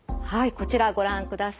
こちらご覧ください。